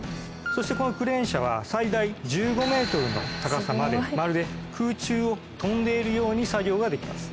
そしてこのクレーン車は最大１５ｍの高さまでまるで空中を飛んでいるように作業ができます。